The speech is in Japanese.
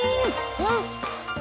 うん！